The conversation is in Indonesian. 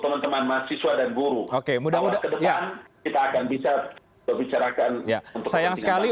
teman teman mahasiswa dan guru oke mudah mudahan kita akan bisa berbicara kan ya sayang sekali